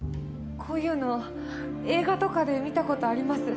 こういうの映画とかで見た事あります。